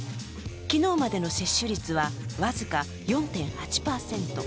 昨日までの接種率は僅か４．８％。